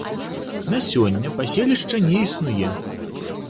На сёння паселішча не існуе.